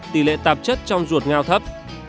tỷ lệ tạp chất trong ruột ngao thấp